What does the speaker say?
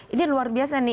ini luar biasa nih